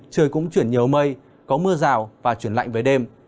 trời cũng chuyển nhiều mây có mưa rào và chuyển lạnh với đêm